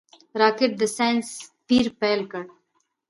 راکټ د ساینس پېر پيل کړ